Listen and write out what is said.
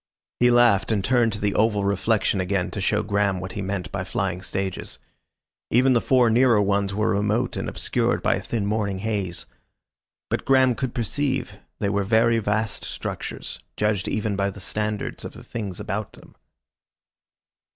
He laughed and turned to the oval reflection again to show Graham what he meant by flying stages. Even the four nearer ones were remote and obscured by a thin morning haze. But Graham could perceive they were very vast structures, judged even by the standard of the things about them.